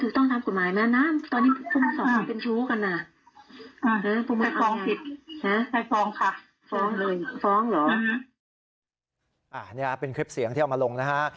ฟ้องค่ะฟ้องเลยฟ้องเหรออ่าเนี่ยเป็นคลิปเสียงที่เอามาลงนะฮะ